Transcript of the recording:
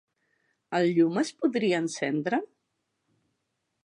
El llum es podria encendre?